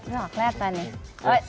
wah kelihatan nih